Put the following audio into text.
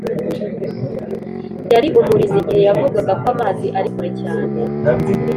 yari umurinzi igihe yavugaga ko amazi ari kure cyane.